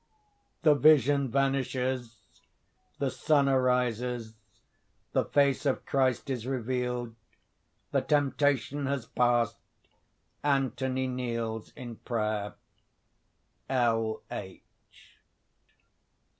The vision vanishes. The sun arises. The face of Christ is revealed. The temptation has passed; Anthony kneels in prayer. L. H.